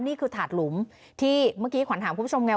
ถาดหลุมที่เมื่อกี้ขวัญถามคุณผู้ชมไง